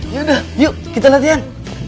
ya udah yuk kita latihan